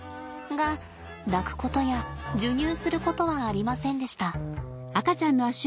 が抱くことや授乳することはありませんでした。